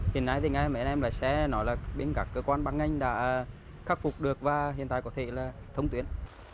hiện nay thì ngay mấy em lại xe nói là các cơ quan bán ngành đã khắc phục được và hiện tại có thể là thông tuyến